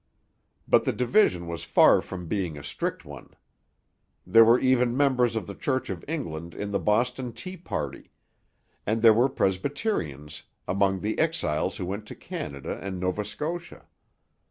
But the division was far from being a strict one. There were even members of the Church of England in the Boston Tea Party; and there were Presbyterians among the exiles who went to Canada and Nova Scotia.